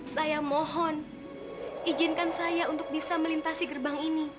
saya mohon izinkan saya untuk bisa melintasi gerbang ini